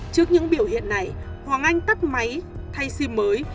trước những biểu hiện này hoàng anh tắt máy thay sim mới